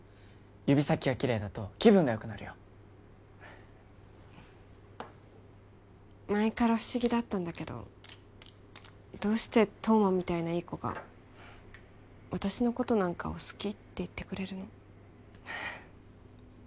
指先がきれいだと気分がよくなるよ前から不思議だったんだけどどうして冬馬みたいないい子が私のことなんかを好きって言ってくれるの？